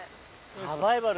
サバイバル？